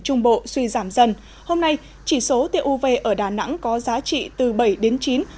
trung bộ suy giảm dần hôm nay chỉ số tiêu uv ở đà nẵng có giá trị từ bảy đến chín